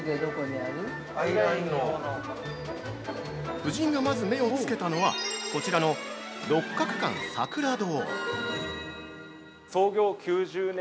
◆夫人がまず目をつけたのは、こちらの六角館さくら堂。